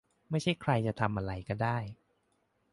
ไม่ใช่ใครจะทำอะไรก็ได้